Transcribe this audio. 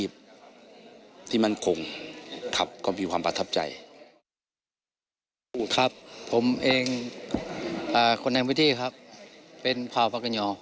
ผมเป็นคนในเผาและในพื้นที่บนโดย